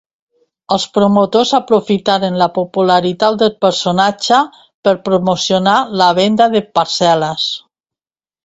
Els promotors aprofitaren la popularitat del personatge per promocionar la venda de parcel·les.